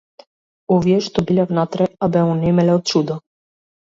Овие што биле внатре, а бе онемеле од чудо.